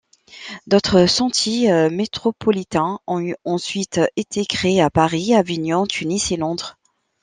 D'autres sentiers métropolitains ont ensuite été créés à Paris, Avignon, Tunis et Londres.